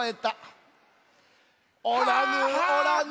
「おらぬおらぬ」。